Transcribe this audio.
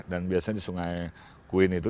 dan biasanya di sungai kuin itu